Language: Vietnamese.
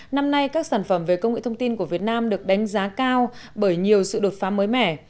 năm nay các sản phẩm về công nghệ thông tin của việt nam được đánh giá cao bởi nhiều sự đột phá mới mẻ